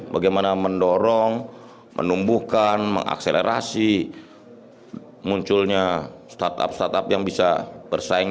bagaimana mendorong menumbuhkan mengakselerasi munculnya startup startup yang bisa bersaing